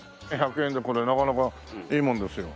１００円でこれなかなかいいもんですよ。